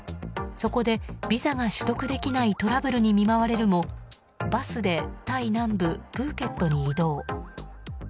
そこで、ビザが取得できないトラブルに見舞われるもバスでタイ南部プーケットに移動。